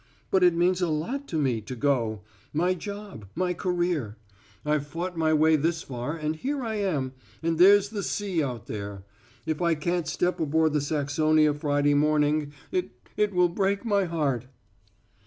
"But it means a lot to me to go; my job, my career. I've fought my way this far, and here I am and there's the sea out there. If I can't step aboard the Saxonia Friday morning it it will break my heart."